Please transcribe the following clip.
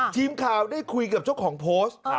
ทีมข่าวได้คุยกับเจ้าของโพสต์